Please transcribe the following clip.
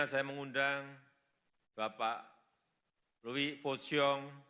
saya mengundang bapak louis fosiong